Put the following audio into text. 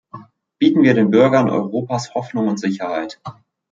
Bieten wir den Bürgern Europas Hoffnung und Sicherheit!